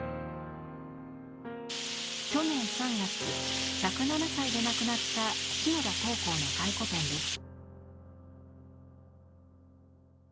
去年３月１０７歳で亡くなった篠田桃紅の回顧展です。